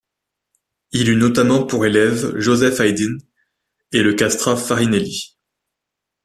Il eut notamment pour élèves Joseph Haydn et le castrat Farinelli.